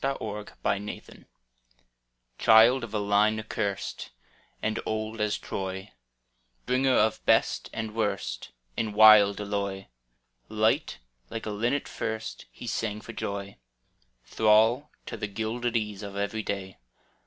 E105] BON VOYAGE Child of a line accurst And old as Troy, Bringer of best and worst In wild alloy — Light, like a linnet first. He sang for joy. Thrall to the gilded ease Of every day.